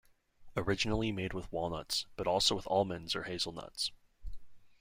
Originally made with walnuts, but also with almonds or hazelnuts.